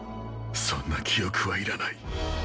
そんな記憶はいらない。